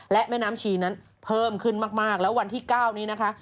และแม่น้ำชีนั้นเพิ่มขึ้นมากแล้ววันที่๙นี้นะคะ